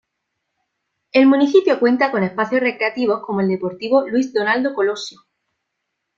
El municipio cuenta con espacios recreativos como el deportivo Luis Donaldo Colosio.